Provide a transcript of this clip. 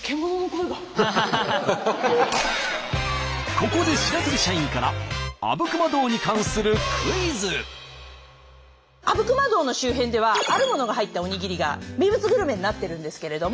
ここであぶくま洞の周辺ではあるものが入ったおにぎりが名物グルメになってるんですけれども。